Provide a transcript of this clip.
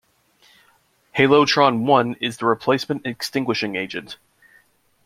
Halotron I is the replacement extinguishing agent.